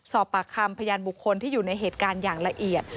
สอบปากคำพยานบุคคลที่อยู่ในเหตุการณ์อย่างละเอียด